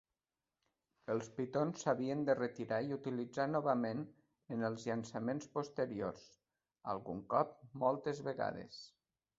Els pitons s'havien de retirar i utilitzar novament en els llançaments posteriors, algun cop moltes vegades.